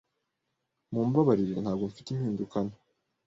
Mumbabarire, ntabwo mfite impinduka nto.